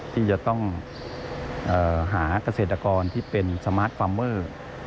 ที่จะต้องหาเกษตรกรที่เป็นสมาร์ทฟาร์มเมอร์